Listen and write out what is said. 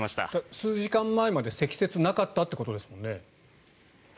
数時間前まで積雪なかったということですもんね。